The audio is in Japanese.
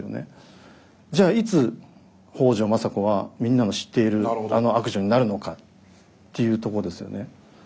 じゃあいつ北条政子はみんなの知っているあの悪女になるのかっていうとこですよね。